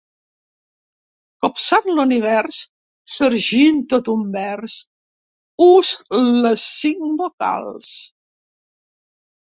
Copsant l'univers, sargint tot un vers, ús les cinc vocals.